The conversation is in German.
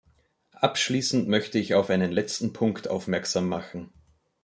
Abschließend möchte ich auf einen letzten Punkt aufmerksam machen.